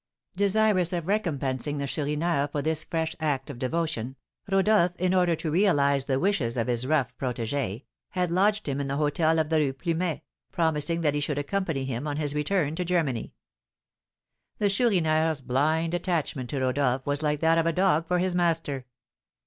Desirous of recompensing the Chourineur for this fresh act of devotion, Rodolph, in order to realise the wishes of his rough protégé, had lodged him in the hôtel of the Rue Plumet, promising that he should accompany him on his return to Germany. The Chourineur's blind attachment to Rodolph was like that of a dog for his master.